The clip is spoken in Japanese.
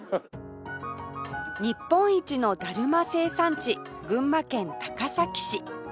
日本一のだるま生産地群馬県高崎市